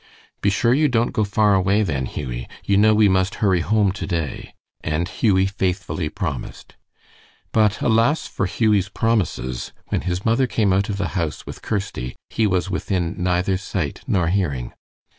"Be sure you don't go far away, then, Hughie; you know we must hurry home to day"; and Hughie faithfully promised. But alas for Hughie's promises! when his mother came out of the house with Kirsty, he was within neither sight nor hearing.